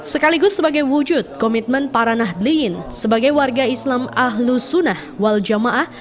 sekaligus sebagai wujud komitmen para nahdliyin sebagai warga islam ahlus sunnah wal jamaah